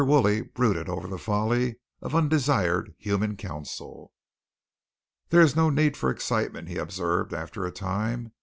Woolley brooded over the folly of undesired human counsel. "There is no need for excitement," he observed after a time.